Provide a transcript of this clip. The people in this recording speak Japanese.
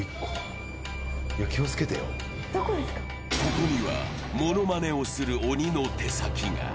ここには、モノマネをする鬼の手先が。